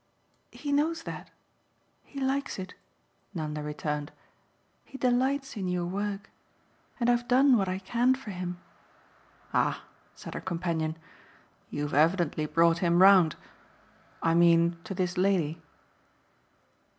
"He knows that he likes it," Nanda returned. "He delights in your work. And I've done what I can for him." "Ah," said her companion, "you've evidently brought him round. I mean to this lady."